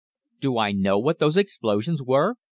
"'Do I know what those explosions were?'